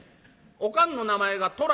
おかんの名前が『とら』